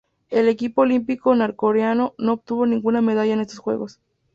El equipo olímpico norcoreano no obtuvo ninguna medalla en estos Juegos.